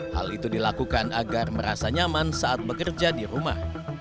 hal itu dilakukan agar merasa nyaman saat bekerja di rumah